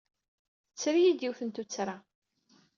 Tetter-iyi-d yiwet n tuttra.